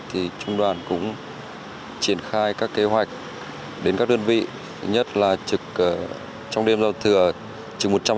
thì trung đoàn cũng triển khai các kế hoạch đến các đơn vị nhất là trong đêm giao thừa trực một trăm linh con số